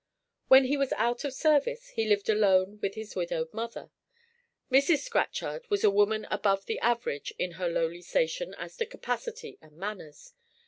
When he was out of service he lived alone with his widowed mother. Mrs. Scatchard was a woman above the average in her lowly station as to capacity and manners.